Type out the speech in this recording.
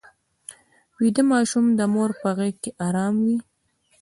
ویده ماشوم د مور په غېږ کې ارام وي